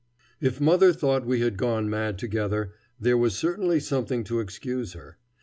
If mother thought we had all gone mad together, there was certainly something to excuse her.